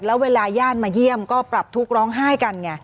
แล้วเวลาญาติมาเยี่ยมก็ปรับทุกข์ร้องไห้กันไง